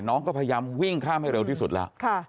น้องก็พยายามวิ่งข้ามให้เร็วที่สุดแล้ว